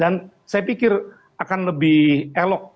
dan saya pikir akan lebih elok